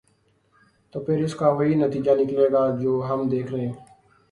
تو پھر اس کا وہی نتیجہ نکلے گا جو ہم دیکھ رہے ہیں۔